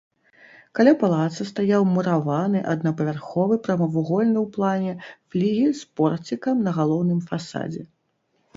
Каля палаца стаяў мураваны аднапавярховы прамавугольны ў плане флігель з порцікам на галоўным фасадзе.